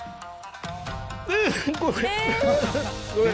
うっごめん。